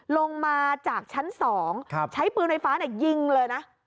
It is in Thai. ลงมาจากชั้น๒ใช้ปืนไฟฟ้ายิงเลยนะ